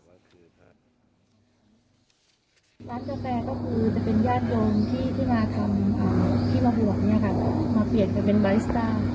ร้านกาแฟก็คือจะเป็นญาติโยมที่มาทำที่มาหวัง